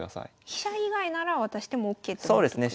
飛車以外なら渡してもＯＫって覚えとくといいですね。